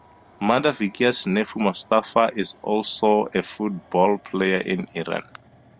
Mahdavikia's nephew Mostafa is also a football player in Iran.